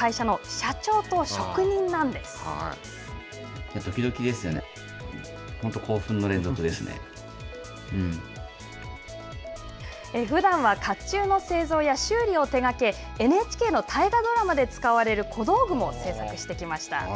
かぶとを作った会社のふだんはかっちゅうの製造や修理を手がけＮＨＫの大河ドラマで使われる小道具も製作してきました。